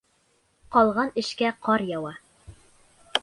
Ҡалған эшкә ҡар яуа.